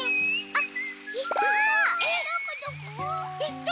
あっ！